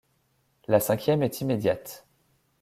La cinquième est immédiate.